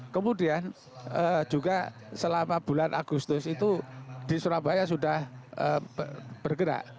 kemudian juga selama bulan agustus itu di surabaya sudah bergerak